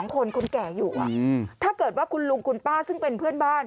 คนคนแก่อยู่ถ้าเกิดว่าคุณลุงคุณป้าซึ่งเป็นเพื่อนบ้าน